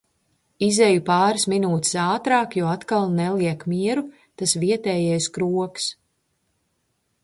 Izeju pāris minūtes ātrāk, jo atkal neliek mieru tas vietējais krogs.